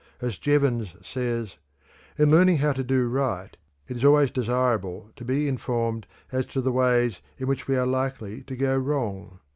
As Jevons says: "In learning how to do right it is always desirable to be informed as to the ways in which we are likely to go wrong.